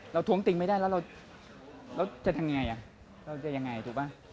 ท้วงติงไม่ได้แล้วเราจะทำยังไงเราจะยังไงถูกป่ะ